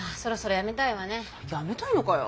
やめたいのかよ。